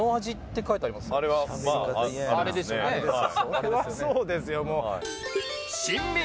それはそうですよもう。